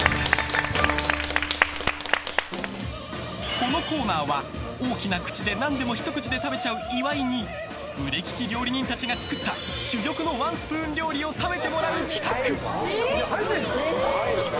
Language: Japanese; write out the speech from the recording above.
このコーナーは、大きな口で何でもひと口で食べちゃう岩井に腕利き料理人たちが作った珠玉のワンスプーン料理を食べてもらう企画。